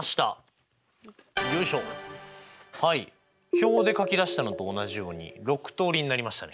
表で書き出したのと同じように６通りになりましたね。